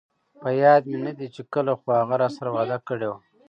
په ياد مې ندي چې کله، خو هغه راسره وعده کړي وه